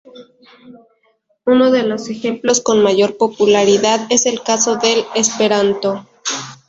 Uno de los ejemplos con mayor popularidad es el caso del esperanto.